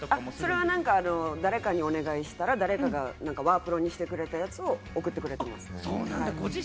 それは誰かにお願いしたら、誰かがワープロにしてくれたやつを送ってくれてますね。